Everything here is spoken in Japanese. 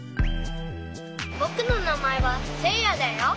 ぼくのなまえはせいやだよ。